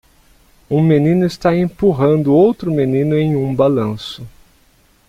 Um menino está empurrando outro menino em um balanço.